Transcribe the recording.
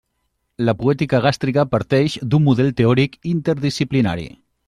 La poètica gàstrica parteix d'un model teòric interdisciplinari.